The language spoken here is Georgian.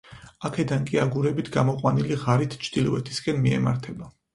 აქედან კი აგურებით გამოყვანილი ღარით ჩრდილოეთისკენ მიემართება.